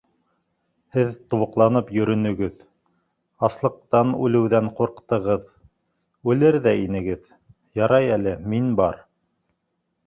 Һеҙ тубыҡланып йөрөнөгөҙ, аслыҡтан үлеүҙән ҡурҡтығыҙ, үлер ҙә инегеҙ, ярай әле мин бар.